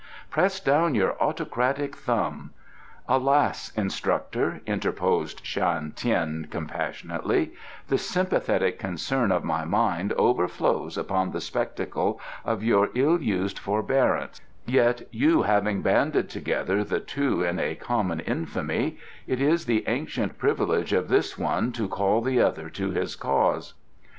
Press down your autocratic thumb " "Alas, instructor," interposed Shan Tien compassionately, "the sympathetic concern of my mind overflows upon the spectacle of your ill used forbearance, yet you having banded together the two in a common infamy, it is the ancient privilege of this one to call the other to his cause.